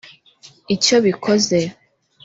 Icyo bikoze